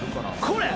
「これ！」